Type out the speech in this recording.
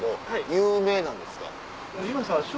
有名なんですか？